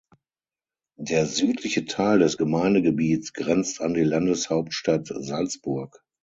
Der südliche Teil des Gemeindegebiets grenzt an die Landeshauptstadt Salzburg.